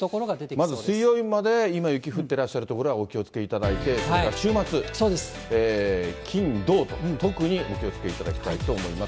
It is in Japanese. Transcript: まず水曜日まで今、雪降ってらっしゃる所はお気をつけいただいて、それから週末、金、土と、特にお気をつけいただきたいと思います。